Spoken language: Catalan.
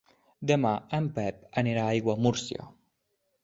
Demà en Pep anirà a Aiguamúrcia.